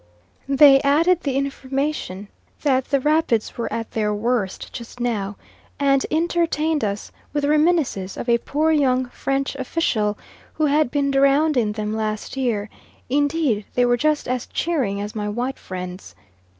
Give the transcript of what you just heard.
They added the information that the rapids were at their worst just now, and entertained us with reminiscences of a poor young French official who had been drowned in them last year indeed they were just as cheering as my white friends.